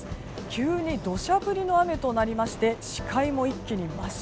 急に土砂降りの雨となりまして視界も一気に真っ白。